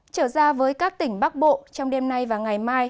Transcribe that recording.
trở ra với các tỉnh bắc bộ trong đêm nay và ngày mai